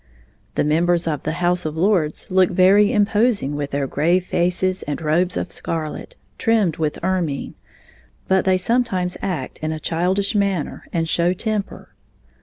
The members of the House of Lords look very imposing with their grave faces and robes of scarlet, trimmed with ermine, but they sometimes act in a childish manner and show temper.